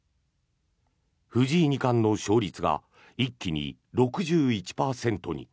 藤井二冠の勝率が一気に６１％に。